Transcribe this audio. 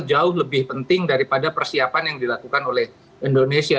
jauh lebih penting daripada persiapan yang dilakukan oleh indonesia